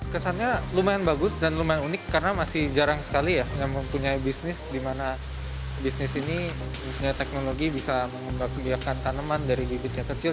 kesannya lumayan bagus dan lumayan unik karena masih jarang sekali ya yang mempunyai bisnis di mana bisnis ini punya teknologi bisa mengembangkan tanaman dari bibitnya kecil